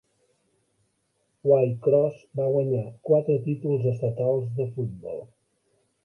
Waycross va guanyar quatre títols estatals de futbol.